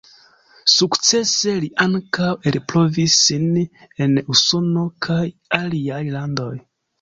Sukcese li ankaŭ elprovis sin en Usono kaj aliaj landoj.